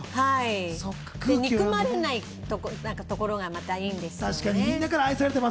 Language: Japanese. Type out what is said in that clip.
憎まれないところがまたいいんですよね。